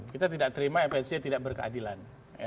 kita tidak terima efisiensi yang tidak berkeadilan